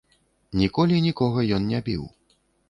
Ніколі нікога ён не біў.